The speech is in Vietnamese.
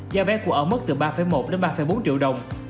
gia vé của ở mức từ ba một đến ba bốn triệu đồng